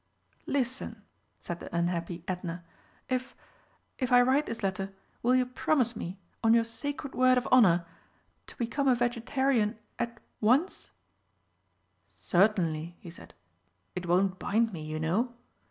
"Listen," said the unhappy Edna. "If if I write this letter will you promise me, on your sacred word of honour, to become a vegetarian at once?" "Certainly," he said. "It won't bind me, you know.